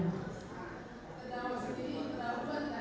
terdakwa sendiri terdakwa